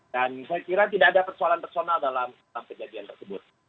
saya kira tidak ada persoalan personal dalam kejadian tersebut